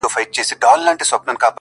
زما په ژوند کي د وختونو د بلا ياري ده.